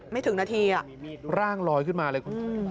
ไม่ถึงนาทีอ่ะร่างลอยขึ้นมาเลย